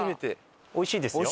おいしいですよ。